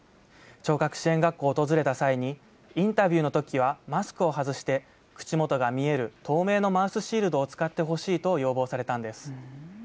聴覚支援学校を訪れた際に、インタビューのときはマスクを外して、口元が見える透明のマウスシールドを使ってほしいと要望されたんです。